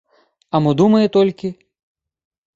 А мо думае толькі?